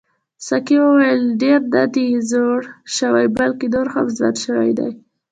ساقي وویل ډېر نه دی زوړ شوی بلکې نور هم ځوان شوی دی.